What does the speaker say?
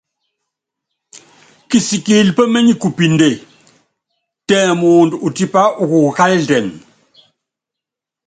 Kisikili pémenyi kupíndé, tɛ muundɔ utipa ukukukálitɛn.